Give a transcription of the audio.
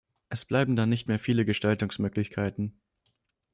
Es bleiben dann nicht mehr viele Gestaltungsmöglichkeiten.